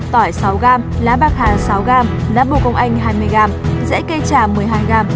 tỏi sáu g lá bạc hà sáu g lá bồ công anh hai mươi g dễ cây trà một mươi hai g